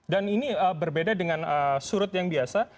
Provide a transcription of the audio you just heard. dan ini berbeda dengan surut yang biasa